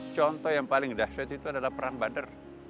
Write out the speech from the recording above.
contoh yang paling dahsyat itu adalah perang badar